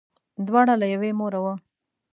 دواړه له یوې موره وه.